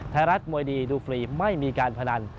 ไทยรัฐมวยดีดูฟรีไม่มีการพนัน